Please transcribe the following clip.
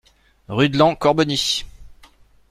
Rue de Laon, Corbeny